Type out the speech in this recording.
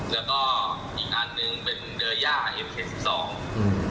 แล้วก็อีกอันหนึ่งเป็นเดอร์ย่าเอ็มเคสสิบสองอืม